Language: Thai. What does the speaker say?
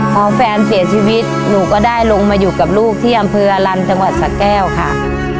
พอแฟนเสียชีวิตหนูก็ได้ลงมาอยู่กับลูกที่อำเภออลันจังหวัดสะแก้วค่ะ